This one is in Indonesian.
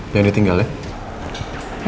jangan ditinggal ya